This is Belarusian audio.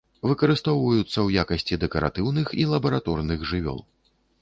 Выкарыстоўваюцца ў якасці дэкаратыўных і лабараторных жывёл.